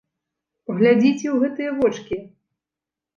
Паглядзіце ў гэтыя вочкі!